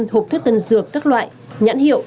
hộp thuốc tân dược các loại nhãn hiệu